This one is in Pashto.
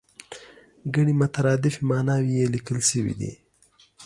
ګڼې مترادفې ماناوې یې لیکل شوې دي.